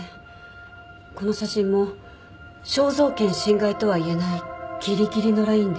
この写真も肖像権侵害とはいえないギリギリのラインで。